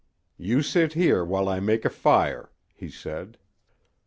"You sit here while I make a fire," he said.